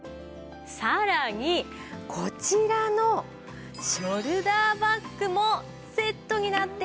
さらにこちらのショルダーバッグもセットになっています。